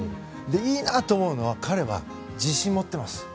いいなと思うのは彼は自信を持っています。